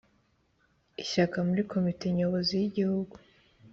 Ishyaka Muri Komite Nyobozi y Igihugu